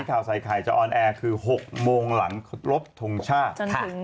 ข้าวใส่ไข่จะสะออนแอร์คือหกโมงหลังรถทุ่มชาติ